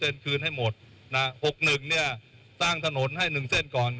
๖๑เนี่ยสร้างถนนให้๑เส้นก่อน